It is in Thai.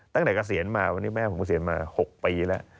เกษียณมาวันนี้แม่ผมเกษียณมา๖ปีแล้ว